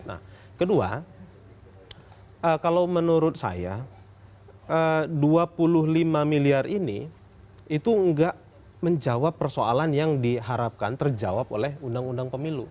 nah kedua kalau menurut saya dua puluh lima miliar ini itu enggak menjawab persoalan yang diharapkan terjawab oleh undang undang pemilu